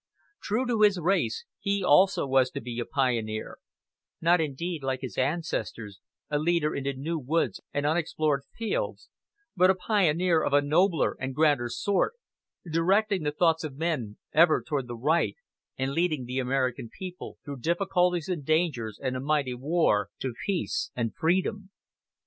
True to his race, he also was to be a pioneer not indeed, like his ancestors, a leader into new woods and unexplored fields, but a pioneer of a nobler and grander sort, directing the thoughts of men ever toward the right, and leading the American people, through difficulties and dangers and a mighty war, to peace and freedom.